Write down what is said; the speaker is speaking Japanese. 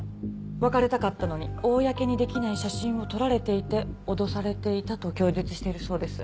別れたかったのに公にできない写真を撮られていて脅されていたと供述しているそうです。